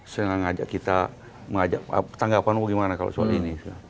senang mengajak kita mengajak tanggapan apa gimana kalau soal ini